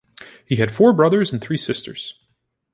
He had four brothers and three sisters.